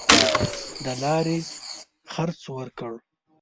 د لاري خرڅ ورکړ.